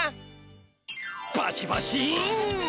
バチバチン！